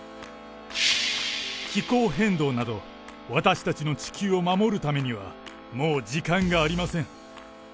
気候変動など、私たちの地球を守るためには、もう時間がありません。